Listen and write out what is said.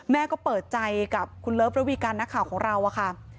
แม่ก็เปิดใจกับคุณเลิฟระวีการนักข่าวของเราอะค่ะ